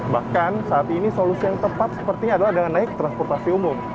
bahkan saat ini solusi yang tepat sepertinya adalah dengan naik transportasi umum